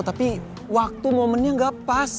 tapi waktu momennya gak pas